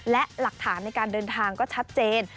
และหลักฐานในการเดินทางก็ชัดเจน